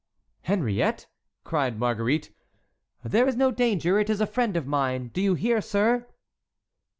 "Henriette!" cried Marguerite. "There is no danger; it is a friend of mine! Do you hear, sir?"